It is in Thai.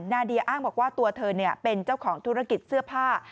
นาเดียอ้างบอกว่าตัวเธอเป็นเจ้าของธุรกิจเสื้อผ้า